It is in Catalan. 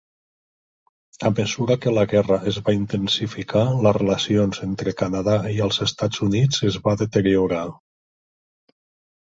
A mesura que la guerra es va intensificar, les relacions entre Canadà i els Estats Units es va deteriorar.